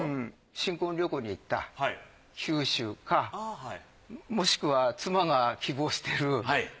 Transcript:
新婚旅行に行った九州かもしくは妻が希望してる東北。